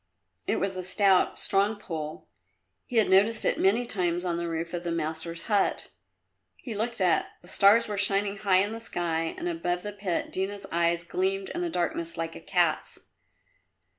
It was a stout, strong pole; he had noticed it many times on the roof of the master's hut. He looked up. The stars were shining high in the sky and above the pit Dina's eyes gleamed in the darkness like a cat's.